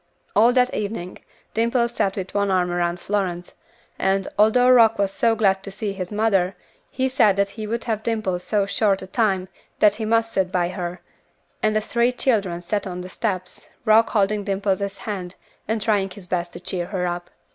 All that evening Dimple sat with one arm around Florence; and, although Rock was so glad to see his mother, he said that he would have Dimple so short a time that he must sit by her, and the three children sat on the steps, Rock holding Dimple's hand and trying his best to cheer her up.